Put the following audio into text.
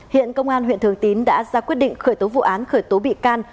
hiện công an huyện thường tín đã ra quyết định khởi tố vụ án khởi tố bị can